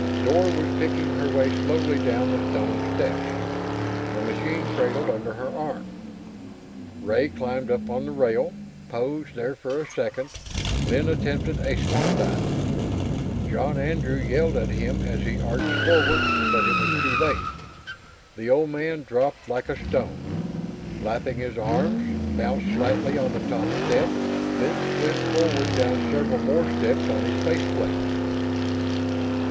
Dor was picking her way slowly down the stone steps, the machine cradled under her arm. Ray climbed up on the rail, poised there a second, then attempted a swan dive. John Andrew yelled at him as he arced forward, but it was too late. The old man dropped like a stone, flapping his arms, bounced slightly on the top step, then slid forward down several more steps on his faceplate.